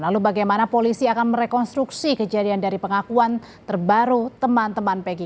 lalu bagaimana polisi akan merekonstruksi kejadian dari pengakuan terbaru teman teman peggy